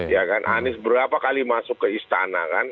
ya kan anies berapa kali masuk ke istana kan